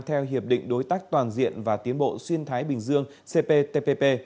theo hiệp định đối tác toàn diện và tiến bộ xuyên thái bình dương cptpp